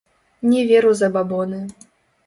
Не вер у забабоны.